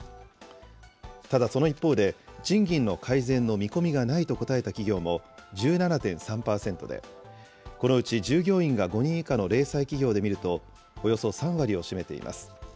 ただ、その一方で、賃金の改善の見込みがないと答えた企業も、１７．３％で、このうち従業員が５人以下の零細企業で見ると、およそ３割を占めています。